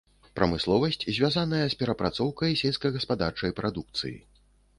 Прамысловасць звязаная з перапрацоўкай сельскагаспадарчай прадукцыі.